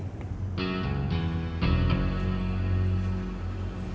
berarti tempat kamu disini